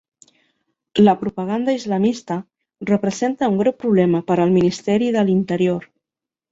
La propaganda islamista representa un greu problema per al ministeri de l'Interior.